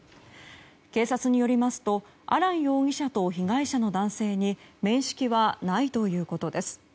警察によりますとアラン容疑者と被害者の男性に面識はないということです。